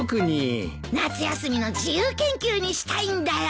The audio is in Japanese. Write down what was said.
夏休みの自由研究にしたいんだよ。